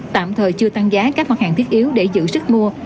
tạm thời chưa tăng giá các mặt hàng thiết yếu để giữ sức mua